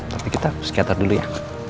tapi kita psikiater dulu ya